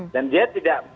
dan dia tidak